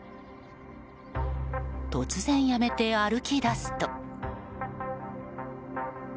突然やめて歩き出すと。